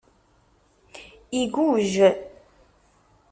Igujj.